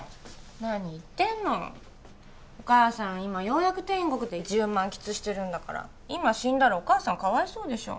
何言ってんのお母さん今ようやく天国で自由満喫してるんだから今死んだらお母さんかわいそうでしょ